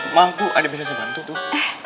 maaf bu ada bisnisnya bantu tuh